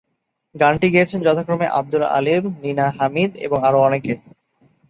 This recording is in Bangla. গানটি গেয়েছেন যথাক্রমে আব্দুল আলীম, নীনা হামিদ এবং আরো অনেকে।